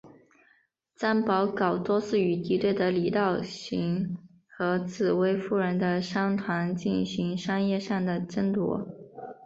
张保皋多次与敌对的李道行和紫薇夫人的商团进行商业上的争夺。